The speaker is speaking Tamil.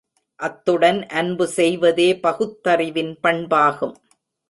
அத்துடன் அன்பு செய்வதே பகுத்தறிவின் பண்பாகும்.